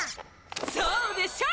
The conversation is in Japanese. そうでしょお！！